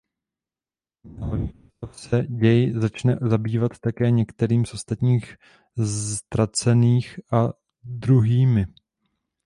Kromě hlavních postav se děj začne zabývat také některými z ostatních ztracených a „druhými“.